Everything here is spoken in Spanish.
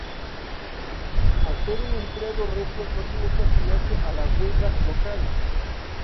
Al ser aún empleado regio, no tuvo que afiliarse a la guilda local.